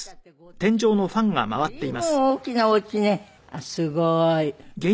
あっすごい！